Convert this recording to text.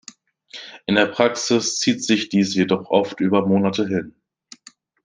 In der Praxis zieht sich dies jedoch oft über Monate hin.